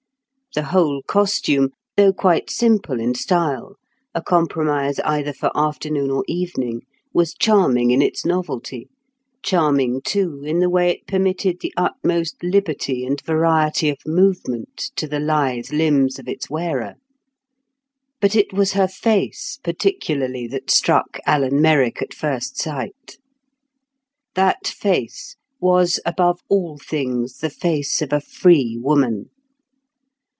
The whole costume, though quite simple in style, a compromise either for afternoon or evening, was charming in its novelty, charming too in the way it permitted the utmost liberty and variety of movement to the lithe limbs of its wearer. But it was her face particularly that struck Alan Merrick at first sight. That face was above all things the face of a free woman.